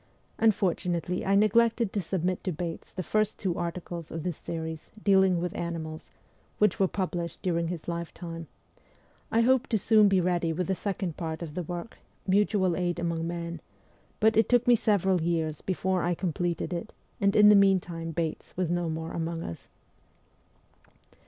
Unfortunately I neglected to submit to Bates the first two articles of this series, dealing with animals, which were published during his lifetime ; I hoped to be soon ready with the second part of the work, ' Mutual Aid among Men,' but it took me several years before I completed it, and in the meantime Bates was no more among us.